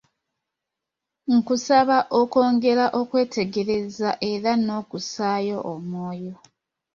Nkusaba okwongera okwetegereza era n’okussaayo omwoyo.